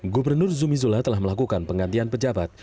gubernur zumi zola telah melakukan penggantian pejabat